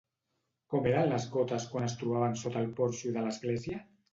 Com eren les gotes quan es trobaven sota el porxo de l'església?